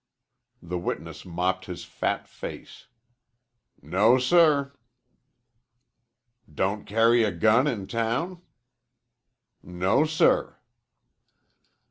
The witness mopped his fat face. "No, sir." "Don't carry a gun in town?" "No, sir."